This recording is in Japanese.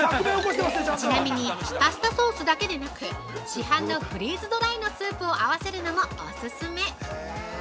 ◆ちなみに、パスタソースだけでなく市販のフリーズドライのスープを合わせるのもオススメ！